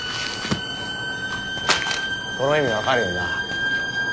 この意味分かるよな？